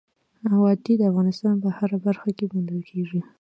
وادي د افغانستان په هره برخه کې موندل کېږي.